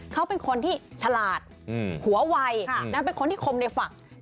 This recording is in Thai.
เขาเป็นคนที่ฉลาดหัววัยเป็นคนที่คมในฝัก